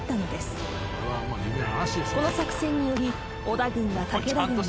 ［この作戦により織田軍は］